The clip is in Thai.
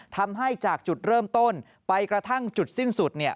ทำให้จากจุดเริ่มต้นไปกระทั่งจุดสิ้นสุด